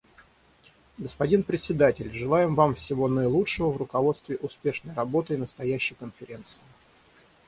Господин Председатель, желаем Вам всего наилучшего в руководстве успешной работой настоящей Конференции.